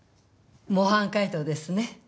模範解答ですね。